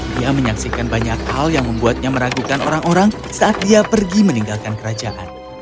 dia menyaksikan banyak hal yang membuatnya meragukan orang orang saat dia pergi meninggalkan kerajaan